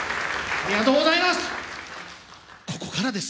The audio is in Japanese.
ありがとうございます。